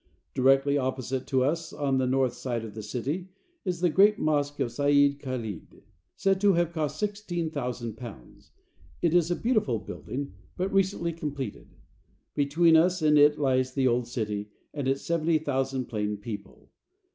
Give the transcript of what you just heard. Directly opposite to us on the north side of the city is the great mosque of Sayid Khalid, said to have cost sixteen thousand pounds. It is a beautiful building, but recently completed. Between us and it lies the old city, with its seventy thousand plain people.